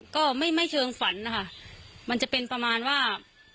ก็ไม่ไม่เชิงฝันนะคะมันจะเป็นประมาณว่า